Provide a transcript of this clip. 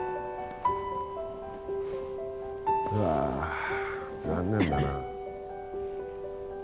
うわ残念だな。